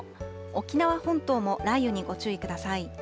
沖縄本島も雷雨にご注意ください。